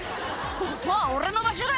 「ここは俺の場所だ！」